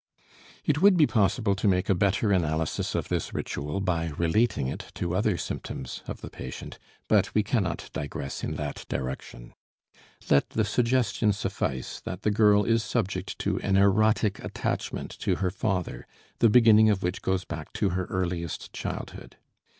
It would be possible to make a better analysis of this ritual by relating it to other symptoms of the patient. But we cannot digress in that direction. Let the suggestion suffice that the girl is subject to an erotic attachment to her father, the beginning of which goes back to her earliest childhood.